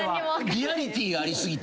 リアリティーありすぎて。